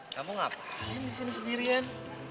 kamu ngapain disini sedirian